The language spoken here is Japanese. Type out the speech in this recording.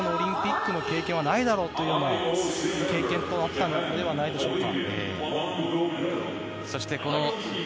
これ以上の経験はないだろうというような経験があったのではないでしょうか。